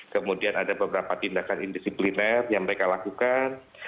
kemudian ada beberapa tindakan indisipliner yang mereka lakukan